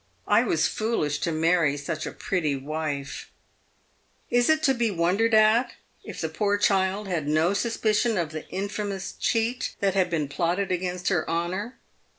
I was foolish to marry such a pretty wife." Is it to be wondered at if the poor child had no suspicion of the infamous cheat that had been plotted against her honour